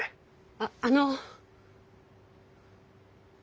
あっあの。